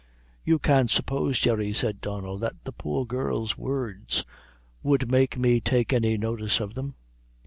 "You can't suppose, Jerry," said Donnel, "that the poor girl's words would make me take any notice of them.